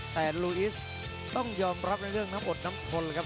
แต่ลูอิสต้องยอมรับในเรื่องน้ำอดน้ำทนเลยครับ